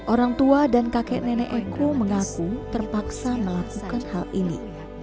orang tua dan kakek nenek eko mengaku terpaksa melakukan hal ini